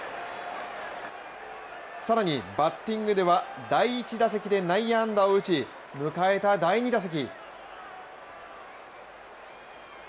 更にバッティングでは第１打席で内野安打を打ち、迎えた第２打席。